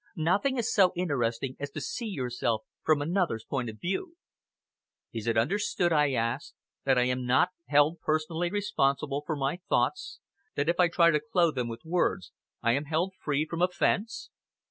Nothing is so interesting as to see yourself from another's point of view!" "Is it understood," I asked, "that I am not held personally responsible for my thoughts that if I try to clothe them with words, I am held free from offence?"